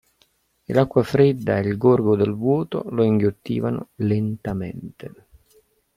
E l'acqua fredda e il gorgo del vuoto lo inghiottivano lentamente.